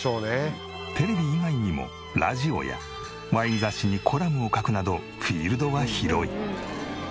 テレビ以外にもラジオやワイン雑誌にコラムを書くなどフィールドは広い。